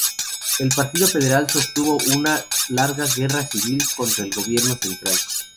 El Partido Federal sostuvo una larga guerra civil contra el gobierno central.